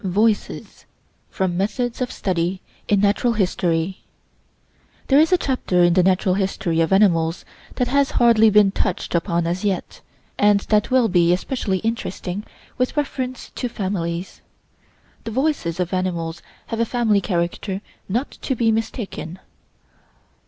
VOICES From 'Methods of Study in Natural History' There is a chapter in the Natural History of animals that has hardly been touched upon as yet, and that will be especially interesting with reference to families. The voices of animals have a family character not to be mistaken.